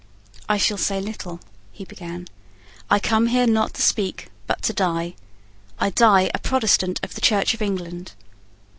"I shall say little," he began. "I come here, not to speak, but to die. I die a Protestant of the Church of England."